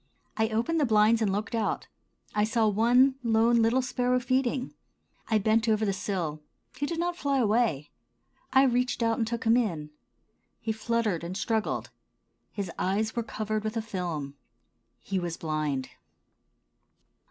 I opened the blinds and looked out. I saw one lone, little sparrow feeding. I bent over the sill. He did not fly away. I reached out and took him in. He fluttered and struggled. His eyes were covered with a film. He was blind.